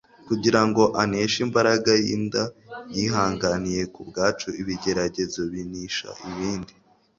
Kugira ngo aneshe imbaraga y'inda yihanganiye ku bwacu ibigeragezo binisha ibindi